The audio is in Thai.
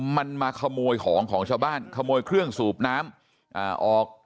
มันมาขโมยของของชาวบ้านขโมยเครื่องสูบน้ำออก